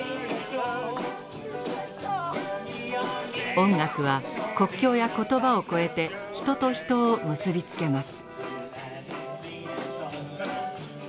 音楽は国境や言葉をこえて人と人を結び付けます。